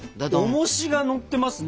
おもしがのってますね。